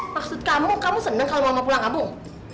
maksud kamu kamu seneng kalau mau pulang kampung